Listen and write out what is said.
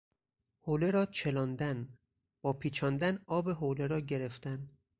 حوله را چلاندن، باپیچاندن آب حوله را گرفتن